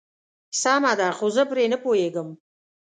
سمه ده خو زه پرې نه پوهيږم.